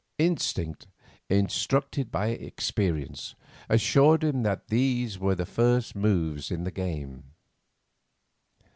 Instinct, instructed by experience, assured him that these were but the first moves in the game.